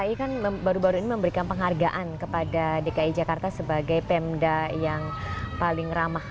dki kan baru baru ini memberikan penghargaan kepada dki jakarta sebagai pemda yang paling ramah